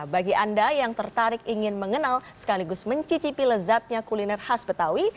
bagi anda yang tertarik ingin mengenal sekaligus mencicipi lezatnya kuliner khas betawi